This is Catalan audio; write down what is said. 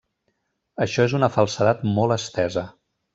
Això és una falsedat molt estesa.